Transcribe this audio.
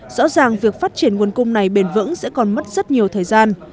rõ ràng việc phát triển nguồn cung này bền vững sẽ còn mất rất nhiều thời gian